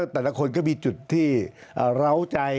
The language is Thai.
แต่ละคนก็มีจุดที่เหล้าใจ